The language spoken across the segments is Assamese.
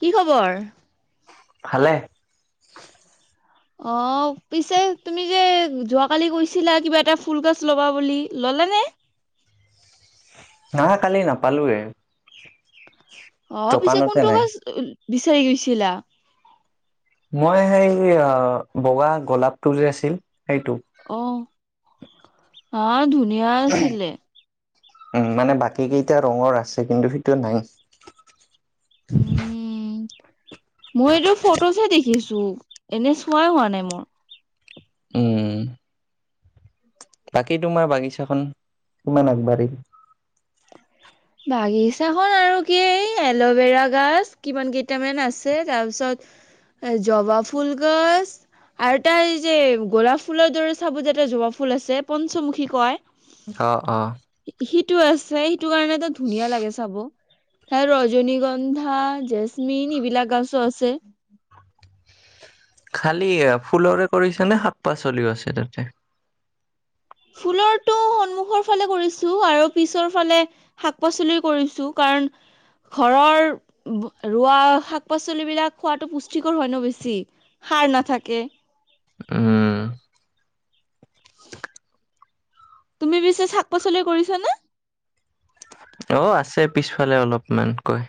কি খবৰ? ভালে। অ পিছে তুমি যে যোৱাকালি কৈছিলা, কিবা এটা ফুল গছ লবা বুলি ললে নে? নহয় কালি নাপালোৱে। অ পিছে দোকানতে কোনটো নাই গছ বিচাৰি গৈছিলা? মই সেই বগা গোলাপটো আছিল সেইটো অ অ ধুনি ধুনিয়া আছিলে উ মানে বাকী কেইটা ৰঙৰ আছে কিন্তু সেইটো নাই উম মই এইটো ফটোছ হে দেখিছো চু এনে চোৱাই হোৱা নাই মোৰ উম বাকী তোমাৰ বাগিছাখন কিমান আগবাঢ়িল? বাগিচাখন আৰু কি এই এল'ভেৰা গছ কিমান কেইটামান আছে তাৰপিছত জবা ফুল গছ আৰু তাৰ এই যে গোলাপ ফুলৰ দৰে চাব যে এটা জবা ফুল আছে পঞ্চমুখী কয় আহ আহ টো আছে সেইটো কাৰণে ধুনীয়া লাগে চাব ত ৰজনীগন্ধা জেচমিন এইবিলাক গছো আছে খালি ফুলৰে কৰিছে নে শাক পাচলিও আছে তাতে ফুলৰটো সন্মুখৰ ফালে কৰিছো আৰু পিছৰ ফালে শাক পাচলি কৰিছো কাৰণ ঘৰৰ ৰোৱা শাক পাচলিবিলাক খোৱাাতো পুষ্টিকৰ হয় ন বেছি সাৰ নাথাকে। উম তুমি পিছেি শাক পাচলি কৰিছ নে অ আছে পিছফালে অলপমান কয়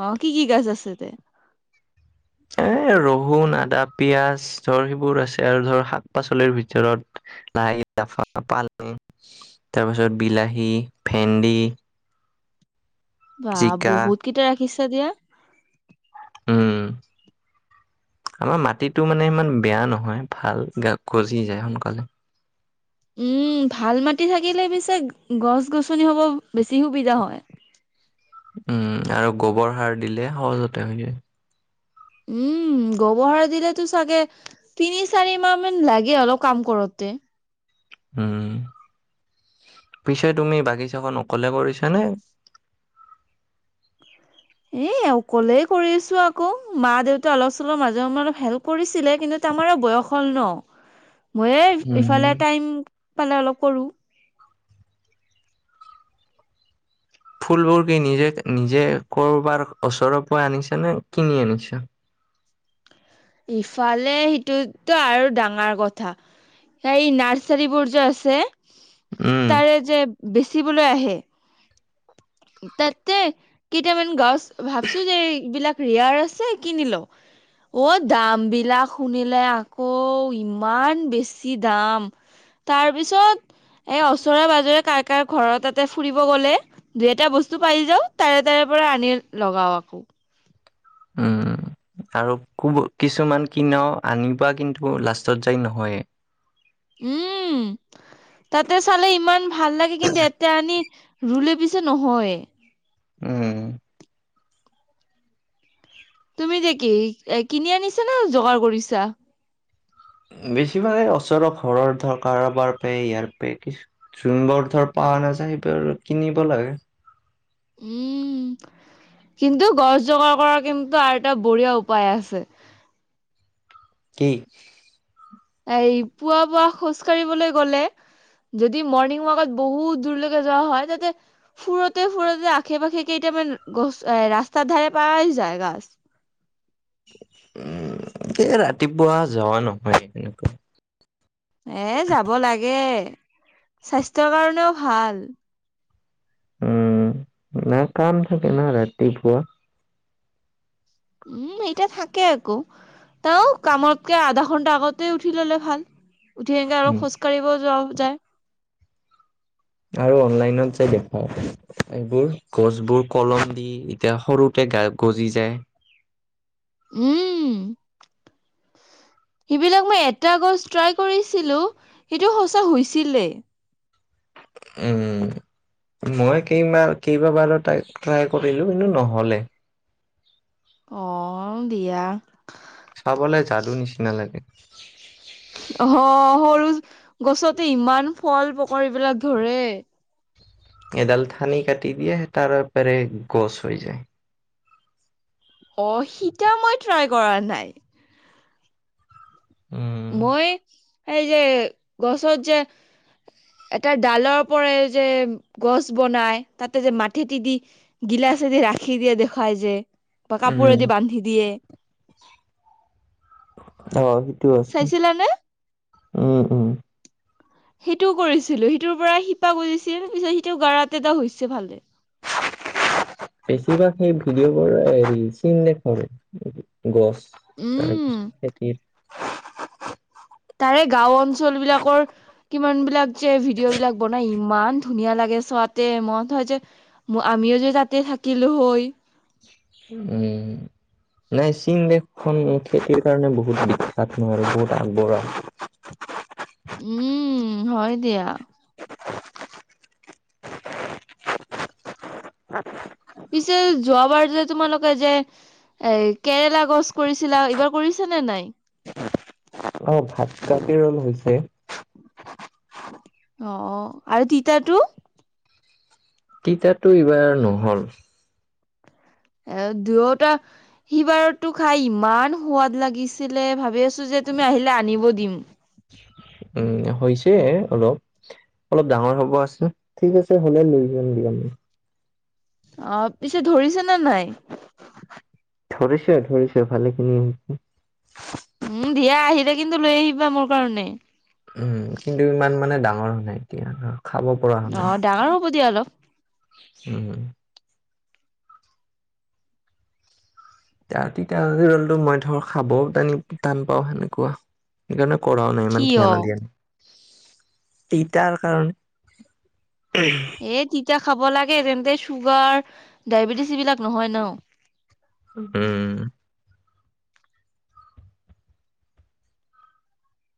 আহ কি কি গছ আছে তে এ ৰহুন আদা পিয়াজ ধৰ সেইবোৰ আছে আৰু ধৰ শাক পাচলিৰ ভিতৰত লাই লাফা পালেং তাৰপাছত বিলাহী ভেন্দি বা জিকা বহুত কেইটা পিছে দিয়া উম আমাৰ মাটিটো মানে ইমান বেয়া নহয় ভাল গজি যায় সোনকালে উম ভাল মাটি থাকিলে পিছে গছ গছনি হব বেছি সুবিধা হয়। উম আৰু গোবৰ সাৰ দিলে সহজতে হৈ যায় উম গবহাৰ দিলেতো চাগে তিনি চাৰি মাহ মান লাগে অলপ কাম কৰোতে। উম পিছে তুমি বাগিছাখন অকলে কৰিছা নে? এ আৰু ক'লে কৰিছো আকৌ মা দেউতা অলপ চলৰ মাজে সমে অলপ হেল্প কৰিছিলে কিন্তু তমাৰ বয়স হ'ল ন মই উম, ইফালে টাইম মানে অলপ কৰো ফুলবোৰ কি নিজে নিজে কৰ'বাৰ ওচৰৰ পৰা আনিছে নে কিনি আনিছে ইফালে সেইটোতো আৰু ডাঙৰ কথা সেই নাৰ্চাৰী বোৰ যে আছে উম, তাৰে যে বেছি [unintelligible] আহে। তাতে কেইটামান গছ ভাবছো যে এইবিলাক ৰিয়াৰ আছে কিনিলও অ দাম বিলাক শুনিলে আকৌ ইমান বেছি দাম তাৰ পিছত এই ওচৰে পাজৰে কাৰ কাৰ ঘৰৰত তাতে ফুৰিব গ'লে দুই এটা বস্তু পাইি যাও তাৰে তাৰে পৰা আনি লগাও আকৌ। উম আৰু কিছুমান কিনাও আনিবা কিন্তু লাষ্টত যাই নহয়েই। উম তাতে চালে ইমান ভাল লাগে কিন্তু এতে আনি ৰুলে পিছে নহয়ে। উম। তুমি এতিয়া কি কিনি আনিছা না যোগাৰ কৰিছা। বেছিভাগে ওচৰ ঘৰৰ ধৰ কাৰোবাৰ প ইয়াৰ প জোনবোৰ ধৰ পাৱা আছে সেইবোৰ কিনিব লাগে। উম কিন্তু গছ জোগাৰ কৰাৰ কিন্তু আৰু এটা বঢ়িয়া উপায় আছে। কি? এই পুৱা পুৱ খোজ কাঢ়িবলৈ গলে যদি মৰ্ণিং ৱাকত বহুত দূৰলৈকে যোৱা হয় তাতে ফুৰোতে ফুৰতে আশে পাশে কেইটামান গছ এ ৰাস্তাৰ ধাৰে পাৱা এ যায় গাছ। উম এ ৰাতিপুৱা যোৱা নহয় তেনে কোৱা। এ যাব লাগে। স্বাস্থ্যৰ কাৰণেও ভাল। উম না কাম থাকে না ৰাতিপুৱা। উম এইটা থাকে আকো তও কামতকে আধা ঘন্টা আগতে উঠি ললে ভাল। উঠি সনেকা আলপ উম খোজ কাঢ়িব যও। যায়। আৰু অনলাইনত যে দেখায় এইবোৰ গছবোৰ কলম দি এতিয়া সৰুতে গজি যায়। উম সেইবিলাক মই এটা গছ ট্ৰাই কৰিছিলো সেইটো সঁচা হৈছিলে। উম মই কেইমাৰ কেইবাবাৰো ট্ৰাই কৰিলো কিন্তু নহ'লে। অ দিয়া। চাবলে যাদু নিচিনা লাগে। অ মতো গছতে ইমান ফল ফকৰ এইবিলাক ধৰে। এডাল থানি কাটি দিয়ে তাৰ পাৰায়ে গছ হৈ যায়। অ সিতা মই ট্ৰাই কৰা নাই। উম মই এই যে গছত যে এটা ডালৰ পৰাৰে যে গছ বনাই তাতে যে মাটেতি দি গিলাচেদি ৰাখি দিয়ে দেখুৱাই যে বা উম। কাপোৰেদি বান্ধি দিয়েম। অ সেইটোও আছে। চাইছিলানে উম উম। সেইটোও কৰিছিলো সিটোৰ পৰা শিপা গুজিছিল পিছত সিটো কৰাতেটো হৈছে ভালে। বেছিভাগ সেই ভিডিঅ' বোৰ হেৰি চিন দেখৰে গছ। উম তাৰপিছত খেতিৰ। তাৰে গাও অঞ্চল বিলাকৰ কিমান বিলাক যে ভিডিঅ' বিলাক বনাই ইমান ধুনীয়া লাগে চোৱাতে মন হয় যে আমিও যদি তাতে থাকিলো হয়। উম, নাই চীন দেশখন খেতিৰ কাৰণে বহুত বিখ্যাত নয়, আৰু বহুত আগবঢ়োৱা। উম হয় দিয়া। [unintelligible] পিছে যোৱাবাৰ যে তোমালোকে যে এ কেৰেলা গছ কৰিছিলা এইবাৰ কৰিছা নে নাই? অ ভাতকাকি ৰল হৈছে অ আৰু তিতাটো তিতাটো এইবাৰ নহল এ, দুয়োটা সি বাৰতো খাই ইমান সোৱাদ লাগিছিলে ভাবি আছো যে তুমি আহিলে আনিব দিম। উম হৈছে অলপ অলপ ডাঙৰ হব আছে ঠিক আছে হ'লে লৈ যাম দিয়া মই অ পিছে ধৰিছে নে নাই? ধৰিছে ধৰিছে ভালেখিনি উম দিয়া আহিলে কিন্তু লৈ আহিবা মোৰ কাৰণে উম কিন্তু ইমান মানে ডাঙৰ হোৱা নাই এতিয়া খাব পৰা হোৱা অ নাই ডাঙৰ হ'ব দিয়া অলপ উম। তিতা তিতা ৰলটো মই ধৰ খাবও টানি টান পাও সেনেকুৱা সেইকাৰণে কৰাও নাই কি ইমান অ'। ধিয়ানো ন দিয়া নাই তিতাৰ কাৰণে উ। [inaudible] এই তিতা খাব লাগে, তেন্তে চুগাৰ, ডায়বেটিচ এইবিলাক নহয় ন। উম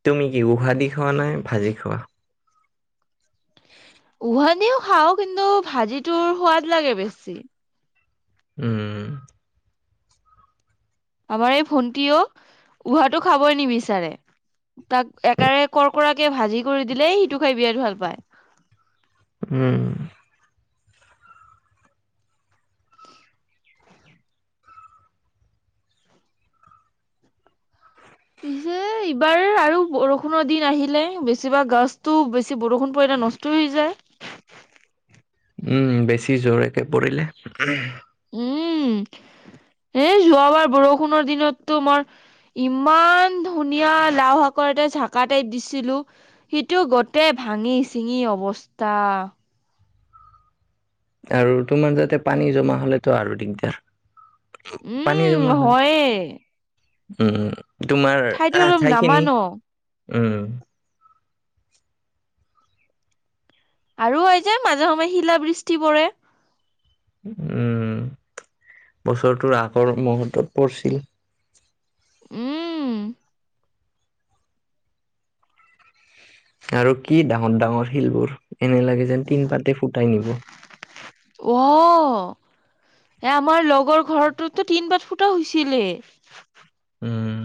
তুমি কি উহা দি খোৱা নে ভাজি খোৱা উহা দিও খাওঁ কিন্তু ভাজিটোৰ সোৱাদ লাগে বেছি উম আমাৰ এই ভন্টীয়েও উহাটো খাবই নিবিচাৰে। তাক একাৰে কৰ্কৰাকে ভাজি কৰি দিলে সিটো খাই বিৰাট ভাল পায়। উম পিছে এইবাৰ আৰু বৰষুণৰ দিন আহিলে বেছিভাগ গছতটো বেছি বৰষুণ পৰিলে নষ্ট হৈ যায়। উম বেছি জৰেকে পৰিলে উম এ যোৱাবাৰ বৰষুণৰ দিনততো মই ইমান ধুনীয়া লাও শাকৰ এটা ঝাকা টাইপ দিছিলো সিটো গোটেই ভাঙি চিঙি অৱস্থা আৰু তোমাৰ যাতে পানী জমা হলেতো আৰু দিগদাৰ উম হয়ে উ ঠাইটো অলপ নামা ন উম। আৰু হয় যে মাজে সময়ে শিলা বৃষ্টি পৰে উম বছৰটোৰ আগৰ মুহূৰ্তত পৰিছিল উম আৰু কি ডাঙৰ ডাঙৰ শিলবোৰ এনে লাগে যেন তিন পাতে ফুটাই নিব অ এ আমাৰ লগৰ ঘৰটোতো তিন পাত ফুটা হৈছিলে উম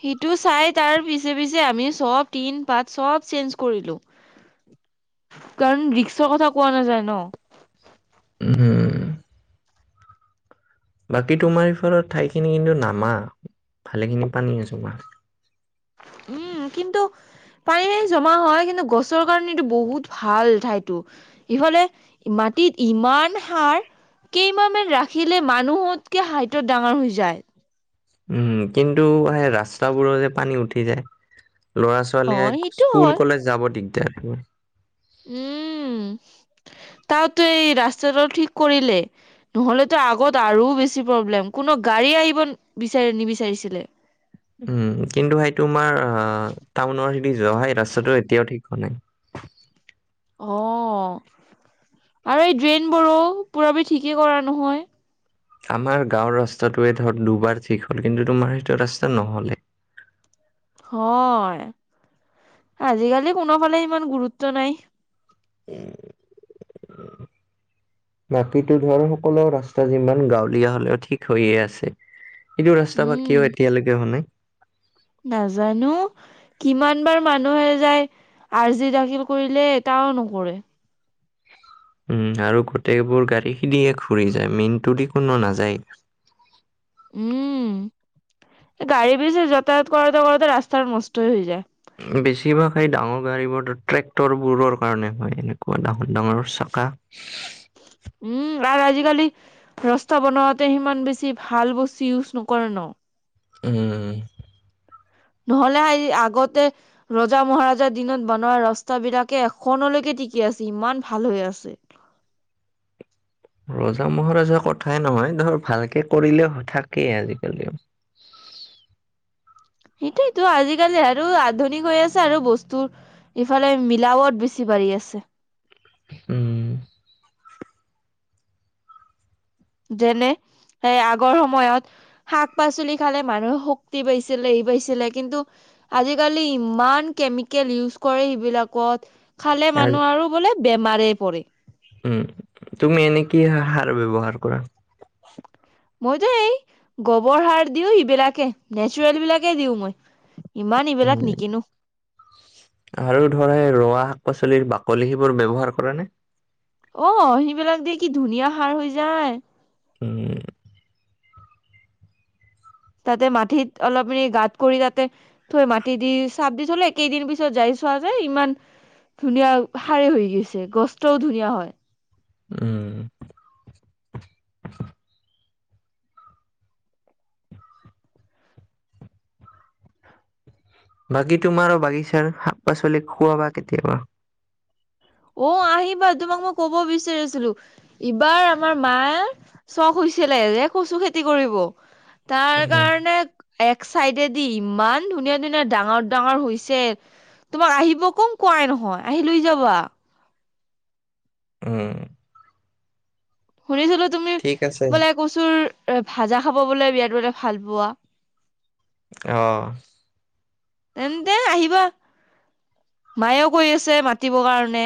সেইটো চাই তাৰ পি, পিছে আমি চব তিন পাত চব চেঞ্জ কৰিলো কাৰণ ৰিক্সৰ কথা কোৱা নাযায় ন। হম বাকী তোমাৰ বিফৰত ঠাইখিনি কিন্তু নামা ভালেখিনি পানী জমা উম কিন্তু পানী জমা হয় কিন্তু গছৰ কাৰণে এইটো বহুত ভাল ঠাইতো ইফালে মাটিত ইমান সাৰ কেইমাহমান ৰাখিলে মানুহতকে হাইটত ডাঙৰ হৈ যায়। উম কিন্তু সেই ৰাস্তাবোৰৰ যে পানী উঠি যায়। ল'ৰা অ ছোৱালীয়ে সেইটো স্কুল হয়। কলেজ যাব দিম। [unintelligible] উম, তাতো এই ৰাস্তাটো ঠিক কৰিলে নহলেতো আগত আৰু বেছি প্ৰব্লেম কোনো গাড়ী আহিব বিচাৰ নিবিচাৰিছিলে। উম কিন্তু সেইটো আমাৰ আহ টাউনৰ খেদি যোৱা হয় ৰাস্তাটো এতিয়াও ঠিক ক, নাই। অ আৰু এই ড্ৰেইন বোৰো পূৰৱী ঠিকেই কৰা নহয়। আমাৰ গাঁওৰ ৰাস্তটোৱে ধৰ দুবাৰ ঠিক হল কিন্তু তোমাৰ সেইটো ৰাস্তা নহলে। হয়, আজিকালি কোনোফালে ইমান গুৰুত্ব নাই। উম। বাকীতো ধৰ সকলো ৰাস্তা যিমান গাঁৱলীয়া হলেও ঠিক হৈয়ে আছে। এইটো ৰাস্তা বা উম, কিয় এতিয়ালৈকে হোৱা নাই। নাজানো কিমান বাৰ মানুহে যায় আৰ্জি দাখিল কৰিলে এটাও নকৰে। উম আৰু গোটেইবোৰ গাড়ীখিনদিয়ে ঘুৰি যায় মেইনটোদি কোনো নাযায়। উম গাড়ী বি যাতায়াত কৰোতে কৰোতে ৰাস্তা নষ্টই হৈ যায়। বেছিভাগ সেই ডাঙৰ গাড়ীবোৰো ট্ৰেক্টৰবোৰৰ কাৰণে হয় এনেকুৱা ডাঙৰ ডাঙৰ চাকা। উম, আৰু আজিকালি ৰাস্তা বনোৱাতে সিমান বেছি ভাল বস্তু ইউজ নকৰে ন। উম। নহলে, হ-আগতে ৰজা মহাৰাজাৰ দিনত বনোৱা ৰাস্তাবিলাকে এখনলৈকে টিকি আছে ইমান ভাল হৈ আছে। ৰজা মহাৰাজাৰ কথাই নহয় ধৰ ভালকে কৰিলে থাকেই আজিকালিও। সেইটোৱেটো আজিকালি আৰু আধুনিক হৈ আছে আৰু বস্তুৰ ইফালে মিলাৱত বেছি বাঢ়ি আছে। উম। যেনে এ আগৰ সময়ত শাক পাচলি খালে মানুহে শক্তি পাইছিল হেৰি পাইছিলে কিন্তু আজিকালি ইমান কেমিকেল ইউজ কৰে সেইবিলাকত। খালে, মানুহ আৰু বোলে? বেমাৰে পৰে। উম তুমি এনে কি সাৰ ব্যৱহাৰ কৰা। মইতো এই গোবৰ সাৰ দিও সিবিলাকে নেচাৰেল বিলাকে দিওঁ মই। ইমান উম ইবিলাক নিকিনো আৰু ধৰ ৰোৱা শাক পাচলি। পাচলিৰ বাকলি সিবোৰ ব্যৱহাৰ কৰা নে। অ সেইবিলাক দে কি ধুনীয়া সাৰ হৈ যায়। উ তাতে মাটিত অলপ মানি গাঁত কৰি তাতে থৈ মাটি দি চাপ দি থলে কেইদিন পিছত যাই চোৱা যে ইমান ধুনীয়া হাৰে হৈ গৈছে গছটোও ধুনীয়া হয়। উ বাকী তোমাৰ বাগিচাৰ শাক পাচলি খুৱাবা কেতিয়াবা। অ আহিবা তোমাক মই কব বিচাৰিছিলো ইবাৰ আমাৰ মাঁ চখ হৈছিলে, কচু খেতি? [unintelligible] কৰিব। তাৰ উম কাৰণে এক চাইডেদি ইমান ধুনীয়া ধুনীয়া ডাঙৰ ডাঙৰ হৈছে তোমাক আহিব কম কোৱাই নহয় আহি লৈ যাবা। উম। শুনিছিলো তুমি ঠিক আছে বোলে কচুৰ ভাজা খাব বোলে বিৰা বোলে ভাল পোৱা। অহ, তেন্ততে আহিবা মায়েও কৰি আছে মাতিবৰ কাৰণে।